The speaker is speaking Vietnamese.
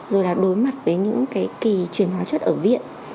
rồi là đối mặt với những cái kỳ truyền hóa chất ở viện